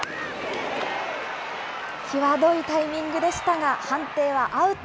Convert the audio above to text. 際どいタイミングでしたが、判定はアウト。